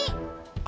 gak mau tau ayo